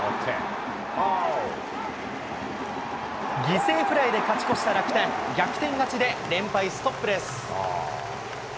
犠牲フライで勝ち越した楽天、逆転勝ちで連敗ストップです。